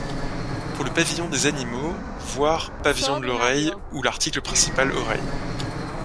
Pour le pavillon des animaux, voir Pavillon de l'oreille ou l'article principal Oreille.